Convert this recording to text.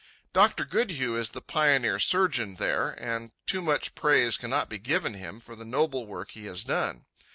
Dr. Goodhue is the pioneer surgeon there, and too much praise cannot be given him for the noble work he has done.